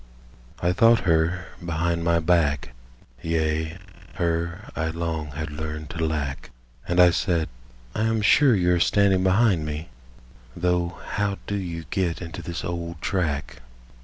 I thought her behind my back, Yea, her I long had learned to lack, And I said: "I am sure you are standing behind me, Though how do you get into this old track?"